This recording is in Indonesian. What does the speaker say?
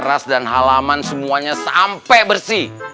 keras dan halaman semuanya sampai bersih